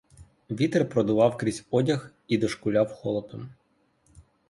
Вітер продував крізь одяг і дошкуляв холодом.